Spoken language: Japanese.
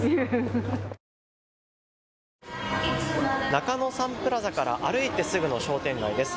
中野サンプラザから歩いてすぐの商店街です。